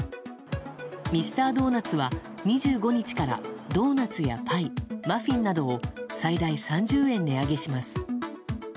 ミスタードーナツは２５日から、ドーナツやパイマフィンなどを最大３０円値上げします。